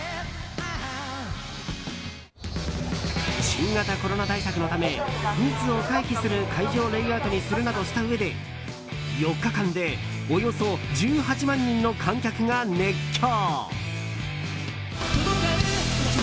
新型コロナ対策のため密を回避する会場レイアウトにするなどしたうえで４日間でおよそ１８万人の観客が熱狂。